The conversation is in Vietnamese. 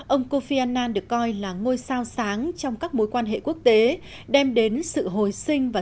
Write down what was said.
ông kofi annan được coi là ngôi sao sáng trong các mối quan hệ quốc tế đem đến sự hồi sinh và